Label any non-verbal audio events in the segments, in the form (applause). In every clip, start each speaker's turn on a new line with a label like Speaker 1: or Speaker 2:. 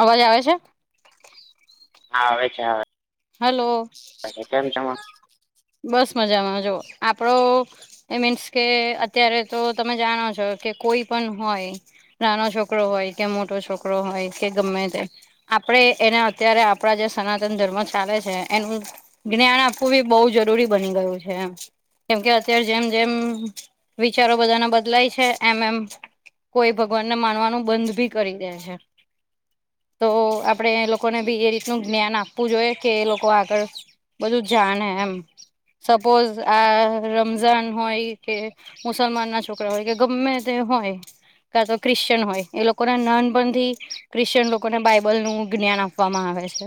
Speaker 1: અવાજ આવે છે.
Speaker 2: હા આવેવે છે હવે.
Speaker 1: હલો, બસ મજામાં જો આપડો એ મીન્સ કે અત્યારે તો તમે જાણો છો કે કોઈ પણ હોય. નાનો છોકરો હોય કે મોટો છોકરો હોય કે ગમે તે. આપડે એને અત્યારે આપણા જે સનાતન ધર્મ ચાલે છે, એનું જ્ઞાન આપવું બી બહુ જરૂરી બની ગયું છે. કેમ કે અત્યારે જેમ જેમ વિચારો બધાને બદલાય છે એમ એમ કોઈ ભગવાનને માનવાનું બંધ ભી કરી દે છે. તો આપણે એ લોકોને બી એ રીતનું જ્ઞાન આપવું જોઈએ. કે એ લોકો આગળ, બધું જાણે એમ. સપોઝ આ રમઝાન હોય કે મુસલમાન ના છોકરા હોય કે ગમે તે હોય. કા તો ક્રિશચયન હોય એ લોકોને નાનપણથી, ક્રિશ્ચયન લોકોને બાઈબલ નું જ્ઞાન આપ આપવામાં આવે છે,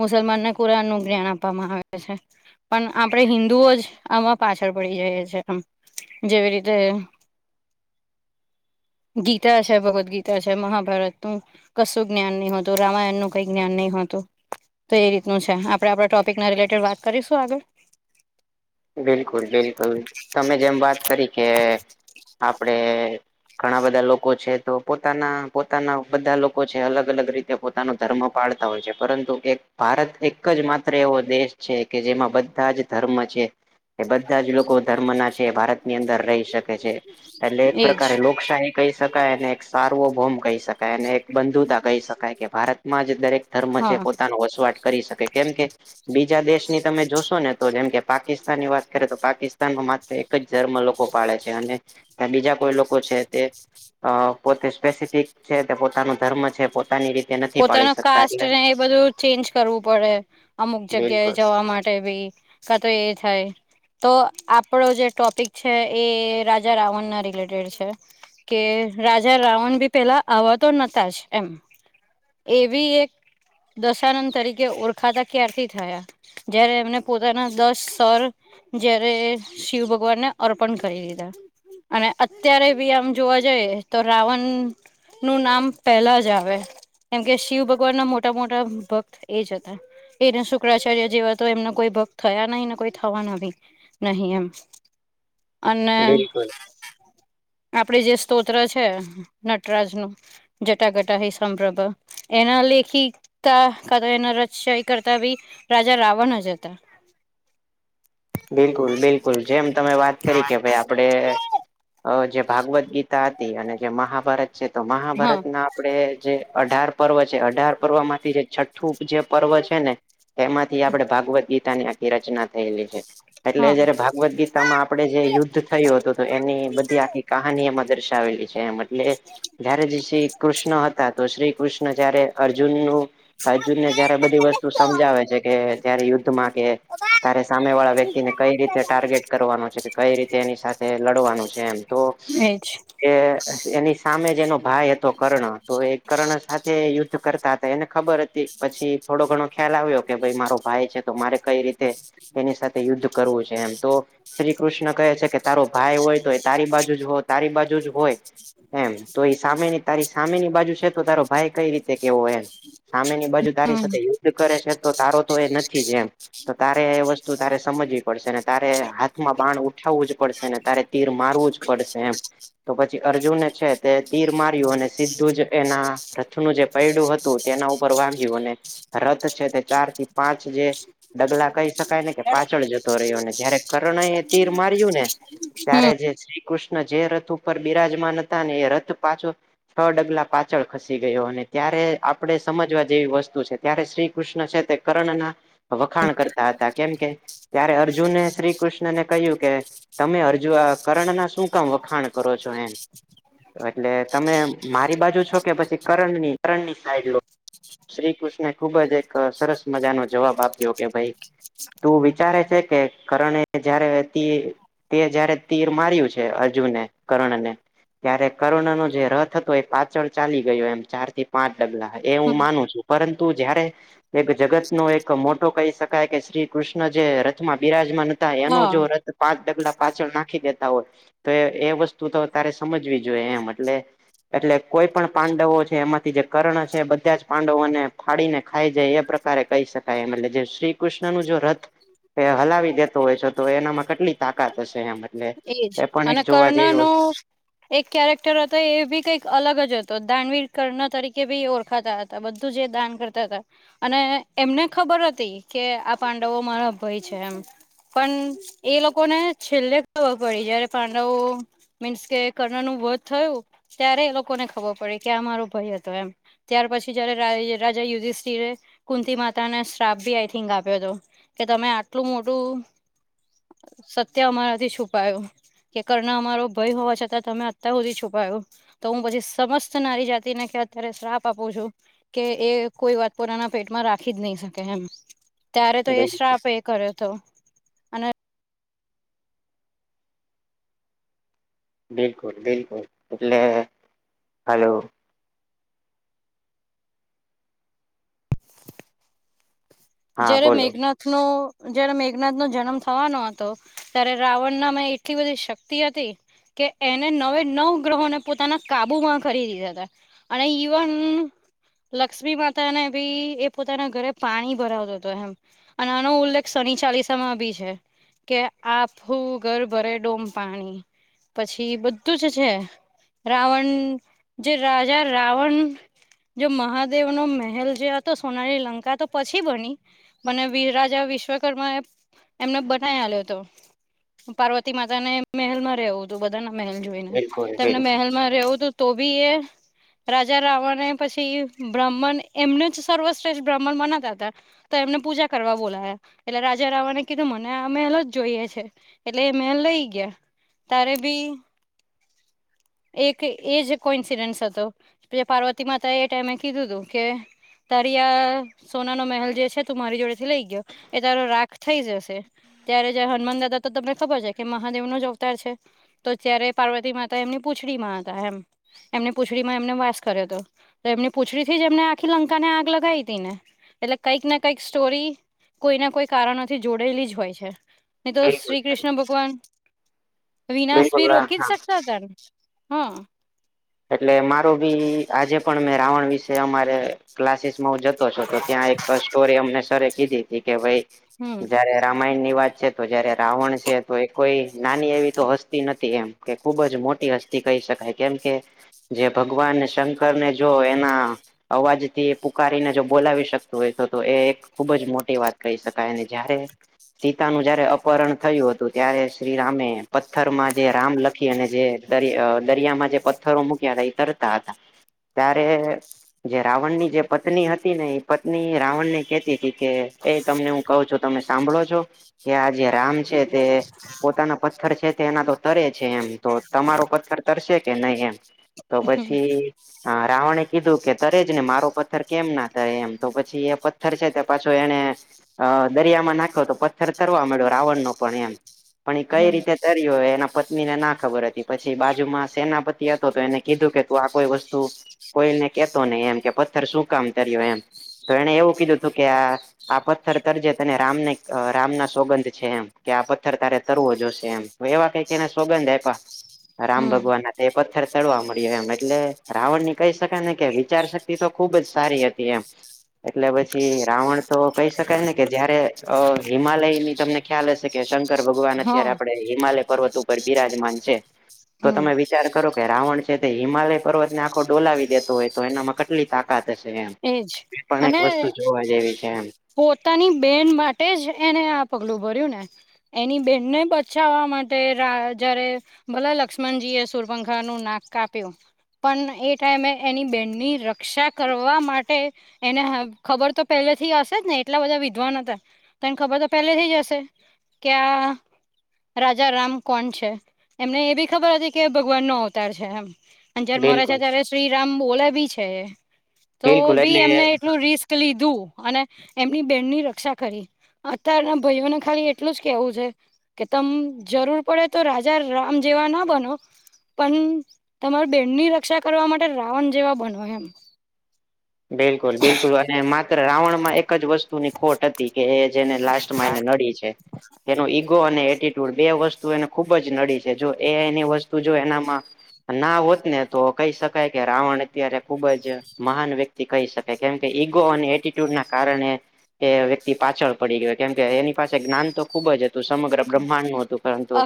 Speaker 1: મુસલમાનને કુરાણ નું જ્ઞાન આપવામાં આવે છે. પણ આપણે હિન્દુ ઓ જ આમાં પાછળ પડી જઈએ છે આમ, જેવી રીતે ગીતા છે ભગવદ્ ગીતા છે મહાભારતનુ કશું જ્ઞાન નહીતું રામાયણ નું કઈ જ્ઞાન નહીતું, તો એ રીતે છે આપણે આપણા ટોપિકના રિલેટેડ વાત કરીશું આગળ.
Speaker 2: બિલકુલ બિલકુલ તમે જેમ વાત કરી કે આપડે ઘણા બધા લોકો છે તો પોતાના પોતાના બધા લોકો છે અલગ અલગ રીતે તે પોતાનો ધર્મ પાડતા હોય છે પરંતુ એક ભારત એક જ માત્ર એવો દેશ છે કે જેમાં બધા જ ધર્મ છે. એ બધા જ લોકો ધર્મ ના છે ભારત ની અંદર રહી શકે છે, એટલે એક
Speaker 1: એજ
Speaker 2: પ્રકારે લોકશાહી કહી શકાય અને એક સારવો ભોમ કહી શકાય અને એક બંધુતા કહી શકાય કે ભારત માં જ દરેક ધર્મ છે
Speaker 1: હા
Speaker 2: પોતાનું વસવાટ કરી શકે કેમ કે, બીજા દેશની તમે જોશો ને તો જેમ કે પાકિસ્તાન ની વાત કરે તો પાકિસ્તાનમાં માત્ર એક જ ધર્મ લોકો પાળે છે અને. બીજા કોઈ લોકો છે તે અ પોતે સ્પેસિફિક છે તે પોતાનું ધર્મ છે પોતાની રીતે નથી
Speaker 1: પોતાનો
Speaker 2: પાળી શકતા
Speaker 1: કાસ્ટ
Speaker 2: એટલે
Speaker 1: ને એ બધું ચેન્જ કરવું પડે, અમુક જગ્યાએ
Speaker 2: બિલકુલ
Speaker 1: જવા માટે ભી કા તો એ થાય. તો આપણો જે ટોપિક છે એ રાજા રાવણ ના રિલેટેડ છે. કે રાજા રાવણ ભી પેલા આવવા તો નહતા જ એમ. એવી એક દશાનંદ તરીકે ઓળખાતા ક્યારથી થયા. જયારે એમને પોતાના દસ સર જયારે શિવ ભગવાનને અર્પણ કરી દીધા. અને અત્યારે બી આમ જોવા જઈએ તો રાવણ નું નામ પેલા જ આવે. કેમ કે શિવ ભગવાન ના મોટા મોટા ભક્ત એ જ હતા. એ શુક્રાચાર્ય જેવા તો એમના કોઈ ભક્ત થયા નહીિ ને કોઈ થવા નહીં. નહી એમ. અને
Speaker 2: બિલકુલ
Speaker 1: આપડે જે સ્તોત્ર છે. નટરાજનું, જટા ગટા હ સંભરભ. એના લેખિકા એના રચય કરતા બી, રાજા રાવણ જ હતા. (inaudible)
Speaker 2: બિલકુલ બિલકુલ જેમ તમે વાત કરી કે ભાઈ આપડે અ જે ભાગવદ્ ગીતા હતી અને જે મહાભારત છે તો
Speaker 1: હા
Speaker 2: મહાભારત ના આપણેે જે અઢાર પર્વ છે અઢાર પર્વ માંથી જે છે. જે પર્વ છે ને, એમાંથી આપડે ભાગવદ ગીતા ની આખી રચના થયેલી છે. એટલે
Speaker 1: હા
Speaker 2: જયારે ભાગવદ ગીત માં આપણે જે યુદ્ધ થયું હતું તો એની બધી આખી કહાની એમાં દર્શાવેલી છે એમ. એટલે, જારે જે શ્રી કૃષ્ણ હતા તો શ્રી કૃષ્ણ જય્યારે અર્જુન નું અર્જુનને જયારે બધી વસ્તુ સમજાવે છે કે જયારે યુદ્ધમાં કે તારે સામેવાળા વ્યક્ વ્યક્તિને કઈ રીતે ટાર્ગેટ કરવાનું છે કે, કઈ રીતે એની સાથે લડવાનું છે એમ. તો
Speaker 1: એજ
Speaker 2: કે એની સામે જ એનો ભાઈ હતો કર્ણ તો એ કર્ણ સાથે યુ યુદ્ધ કરતા હતા એને ખબર હતી. પછી થોડો ઘણો ખ્યાલ આવ્યો કે ભાઈ મારો ભાઈ છે તો મારે કઈ રીતે એની સાથ તે યુદ્ધ કરવું છે એમ તો શ્રી કૃષ્ણ કહે છે કે તારો ભાઈ હોય તો એ તારી બાજુ જ હો તારી બાજુ જ હોય. એમ તો ઈ સામેની તારી સામેની બાજુ છે તો તારો ભાઈ કઈ રીતે કેવો એમ? સામેની બાજુ તારી
Speaker 1: હમ
Speaker 2: સાથે યુદ્ધ કરે છે તો તારો તો એ નથી જે એમ તો તારે એ વસ્તુ તારે સમજવી પડશેને, તારે હાથમાં બાણ ઉઠાવવું જ પડશે ને, તારે તીર મારવું જ પડશે એમ. તો પછી અર્જુને છે તે તીર માર્યું અને સીધું જ એના રથનું જે પૈડું હત તું તેના ઉપર વાગ્યું અને રથ છે તે ચારથી પાંચ જે ડગલા કહી શકાય ને કે પાછળ જતો રહ્યો ને જયારે કર્ણ એ તીર માર્યું ને
Speaker 1: હમ
Speaker 2: ત્યારે જે શ્રી કૃષ્ણ જે રથ ઉપર બિરાજમાન હતા ને એ રથ પાછો છ ડગલા પાછળ ખસી ગયો અને ત્યારે આપણે સમજવા જેવી વસ્તુ છે. ત્યારે શ્રી કૃષ્ણ છે તે કર્ણના વખાણ કરતા હતા કેમ કે ત્યારે અર્જુને શ્રી કૃષ્ણને કહ્યું કે તમે અરજુ અ કરણના શું કામ વખાણ કરો છો એમ. એટલે તમે મારી બાજુ છો કે પછી કરણની કરણની સાઈડ લો. શ્રી કૃષ્ણ ખુબ જ એક સરસ મજાનો જવાબ આપ્યો કે ભઈ તું વિચારે છે કે કરણે જયારે તીર તે જયારે તીર માર્યું છે અર્જુને કર્ણને ત્યારે કર્ણનો જે રથ હતો એ પાછળ ચાલી ગયો એમ ચારથી પાંચ ડગલા એ હું
Speaker 1: હમ
Speaker 2: માનું છું. પરંતુ જયારે એક જગતનો એક મોટો કહી શકાય કે શ્રી કૃષ્ણ જે રથમાં બિરાજમાન હતા એનો
Speaker 1: હા
Speaker 2: જો રથ પાંચ ડગલા પાછળ નાખી દેતા હોય તો એ વસ્તુ તો તારે સમજવી જોઈએ એમ એટલે એટલે કોઈ પણ પાંડવો છે એમાંથી જે કર્ણ છે બધા જ પાંડવોને ફાડીને ખાઈ જાય એ પ્રક કારે કહી શકાય એમ એટલે જે શ્રી કૃષ્ણનું જો રથ એ હલાવી દેતો હોય છે તો એનામાં કટલી તાકાત હશે એમ. એટલે
Speaker 1: એજ
Speaker 2: એ પણ એક
Speaker 1: અને
Speaker 2: જોવા જેવી
Speaker 1: કર્ણનો
Speaker 2: વસ્તુ
Speaker 1: એક કેરેક્ટર હતો એ ભી કંઈક અલગ જ હતો દાનવીર કર્ણ તરીકે બી ઓળખાતા હત તા બધું જે દાન કરતા તા. અને એમને ખબર હતી કે આ પાંડવો મારા ભઈ છે એમ. પન એ લોકોને છેલ્લે ખબર પડી જયારે પાંડવો મીન્સ કે કર્ણનું વધ થયું. ત્યારે એ લોકોને ખબર પડી કે આ મારો ભઈ હતો એમ. ત્યાર પછી જયારે રાજ રાજા યુધિષ્ઠિર એ કુંતી માતાને શ્રાપ ભી આઇથિંક આપ્યો તો. કે તમે આટલું મોટું સત્ય અમારાથી છુપ પાયો કે કર્ણ અમારો ભઈ હોવા છતાં તમે અત્યાર હુધી છુપાયો. તો હું પછી સમસ્ત નારી જાતિને કે અત્યારે શ્રાપ આપું છું. કે એ કોઈ વાત પોતાના પેટમાં રાખી જ નહી શકે એમ. ત્યારે તો
Speaker 2: છે
Speaker 1: એ
Speaker 2: બિલ
Speaker 1: શ્રાપ એ કર્યો તો.
Speaker 2: બિલકુલ બિલકુલ એટલે હાલો. હા
Speaker 1: જયારે
Speaker 2: બોલો
Speaker 1: મેઘનાથ નો જયારે મેઘનાથનો જન્મ થવાનો હતો ત્યારે રાવણના મેં એટલી બધી શક્તિ હતી. કે એને નવે નવ ગ્રહોને પોતાના કાબુમાં કરી લીધાતા. અને ઈવન લક્ષ્મી માતાને ભી એ પોતાના ઘરે પાણી ભરાવ તો એમ અને આનો ઉલ્લેખ શનિ ચાલીસામાં બી છે. કે આખું ઘર ભરે ડોમ પાણી પછી બધું જ છે. રાવન જે રાજા રાવન જો મહાદેવ નો મહેલ જે હતો સોના ની લંકા તો પછી બની. અને વીરરાજા રાજા વિશ્વકર્મા એ એમને બનાવી આલિયો હતો. પાર્વતી માતા ને મહેલ માં રહેવું હતું બધાના મહેલ જોઈને
Speaker 2: બિલકુલ
Speaker 1: તમને
Speaker 2: બિલકુલ
Speaker 1: મહેલ માં રહેવુ, તુ તો બી એ રાજા રાવણ એ પછી બ્રાહ્મણ એમ ને જ સર્વશ્રેષ્ઠ બ્રાહ્મણ માના જાતા. તો એમને પૂજા કરવા બોલાયા એટલે રાજા રાવણે ને કીધું મને આ મહેલ જ જોઈએ છે. એટલે એ મહેલ લઈ ગયા તારે ભી એક એ જ કોઈ ઇન્સિડન્સ હતો. પ પાર્વતી માતાએ એ ટાઈમે કીધું તું કે તરિયા સોના નો મહેલ જે છે. તું મારી જોડે થી લઈ ગયો એ તારો રાખ થઈ જશે ત્યારે જ હનુમાન દાદા તો તમને ખબર છે કે મહાદેવ નો જ અવતાર છે. તો અયારે પાર્વતી માતા એમની પૂંછડી માં હતા એમ એમને પૂછડીમાં એમને વાસ કર્યો હતો તો એમને પૂછડી થી જ એમને આખી લંકાને આગ લગાવી હતી ને એટલે કંઈક ના કંઈક સ્ટોરી કોઈ ના કોઈ કારણોથી જોડાયેલી જ હોય છે. નહી તો
Speaker 2: બિલકુલ
Speaker 1: શ્રી કૃષ્ણ ભગવાન વિનાશ ભી
Speaker 2: બિલકુલ હા
Speaker 1: રોકી જ શકતા ત હા
Speaker 2: એટલે મારો બી આજે પણ મે રાવણ વિશે અમારે ક્લાસીસમાં હું જતો છું તો ત્યાં એક સ્ટોરી અમને સર કીધી હતી કે ભાઈ
Speaker 1: હમ
Speaker 2: જારે રામાયણ ની વાત છે તો જયારે રાવણ છે, તો એ કોઈ નાની એવી તો હસ્તી નથી, એમ કે ખુબ જ મોટી હસ્તી કહી શકાય કેમ કે જે ભગવાન શંકર ને જો એના અવાજથી. પુકારીને જો બોલાવી શકતું હોય તો તો એ એક ખૂબ જ મોટી વાત કહી શકાય અને જયારે સીતા નું જયારે અપહરણ થયું હતું ત્યારે શ્રીરામે પથ્થરમાં જે રામ લખી અને જેર દરિયામાં જે પથ્થરો મૂક્યા હતા એ તરતા હતા. ત્યારે જે રાવણ ની જે પત્ની હતી ને એ પત્ની રાવણ ને કેતી હતી, કે એ તમને હું કહું છું તમે સાંભળો છો કે આ જે રામ છે. તે પોતાના પથ્થર છે તે એના તો તરે છે એમ તો તમારો પથ્થર તરશે કે નહી, એમ તો
Speaker 1: હમ
Speaker 2: પછી. હા રાવણે કીધું કે તરે જ ને મારો પથ્થર કેમ ના તરે એમ તો પછી એ પથ્થર છે, તે પાછો એને અ દરિયામાં નાખો તો પથ્થર તરવા મળ્યો રાવણનોો પણ એમ પણ એ કઈ
Speaker 1: હમ
Speaker 2: રીતે તરી્યો હો એના પત્ની ને ના ખબર હતી પછી બાજુમાં સેના પ થી હતો તો એને કીધું કે તું આ કોઈ વસ્તુ કોઈને કેતો નહી એમ કે પથ્થર શું કામ કર્યું એમ તો એને એવું કીધું હતુ, કે આ આ પથ્થર તરજે તને રામને રામના સોગંધ છે, એમ કે આ પથ્થર તારે તરવો જોશે એમ હ એવા કઈ એને સોગંધે
Speaker 1: (unintelligible)
Speaker 2: રામ ભગવાન એ પથ્થર તડવા મળ્યો એમ એટલે રાવણ ની કહી શકાય ને કે વિચાર શક્તિ તો ખુબ જ સારી હતી એમ એટલે પછી રાવણ તો કહી શકાય ને કે જયારે હિમાલયની તમને ખ્યાલ હશે કે શંકર ભગવાન અત્યારે
Speaker 1: હા
Speaker 2: આપડે હિમાલય પર્વત ઉપર બિરાજમાન છે, તો
Speaker 1: હમ
Speaker 2: તમે વિ ચાર કરો કે રાવણ છે તે હિમાલય પર્વતને આખો ડોલાવી દેતો હોય તો એનામાં કેટલી તશે એમ
Speaker 1: એજ
Speaker 2: પણ એક
Speaker 1: અને
Speaker 2: વસ્તુ જોવા જેવી છે, એમ
Speaker 1: પોતાની બેન માટે જ એને આ પગલું ભર્યું ને એની બેનને બચાવવા માટે જયારે ભલા લક્ષ્મણજી એ સુરભખા નું નાક કાપ્યો. પણ એ ટાઈમે એની બેનની રક્ષા કર જોવા માટે એને ખબર તો પહેલે થી હશે જ ને એટલા બધા વિદ્વાન હતા. તને ખબર તો પેલે થઈ જ હશે કે આ રાજા રામ કોણ છે, એમને એ બી ખબર હતી કે ભગવાન નો અવતાર છે એમ. અ જયારે મરા છે
Speaker 2: બિલકુલ
Speaker 1: ત્યારે શ્રીરામ બોલે બી છે. તો
Speaker 2: બિલકુલ એટલે
Speaker 1: બી એમને એટલું રિસ્ક લીધું, અને એમની બેનની રક્ષા કરી. અત્યારના ભાઈઓને ખાલી એટલું જ કેવું છે. કે તમ જરૂર પડે તો રાજા રામ જેવા ના બનો. પણ તમારા બેનની રક્ષા કરવા માટે રાવણ જેવા બનો એમ.
Speaker 2: બિલકુલ બિલકુલ અને માત્ર રાવણ માં એક જ વસ્તુ ની ખોટ હતી કે એ જેને લાસ્ટમાં એને નડી છે. એનો ઈગો અને એટીટ્યુડ બે વસ્તુ એને ખુબ જ નડી છે જો એની વસ્તુ જો એનામાં ના હોત ને તો કહી શકાય કે રાવણ અત્યારે ખુબ જ મહાન વ્યક્તિ કહી શકે કેમ કે ઈગો અને એટીટ્યુડ ના કારણે એ વ્યક્તિ પાછળ પડી ગયો કેમ કે એની પાસે જ્ઞાન તો ખૂબ જ હતું સમગ્ર બ્રહ્માંડનું હતું પરંતુ.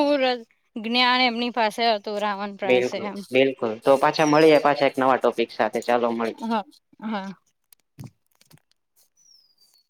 Speaker 1: બર. (unintelligible) જ્ઞાન એમની પાસે આવ હતું રાવણ પાસે
Speaker 2: બિલકુલ
Speaker 1: એમ
Speaker 2: બિલકુલ તો પાછા મળીએ પાછા એક નવા ટોપિક સાથે ચાલો મળીએ.
Speaker 1: હા હા.